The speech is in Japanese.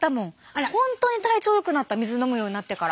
本当に体調よくなった水飲むようになってから。